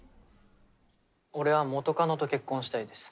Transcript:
俺は元カノと結婚したいです。